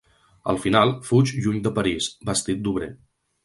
Al final, fuig lluny de París, vestit d'obrer.